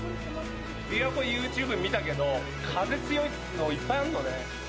びわ湖ユーチューブ見たけど、風が強い所、いっぱいあるのね。